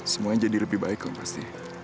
semuanya jadi lebih baik dong pasti